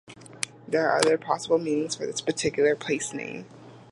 There are other possible meanings for this particular place name.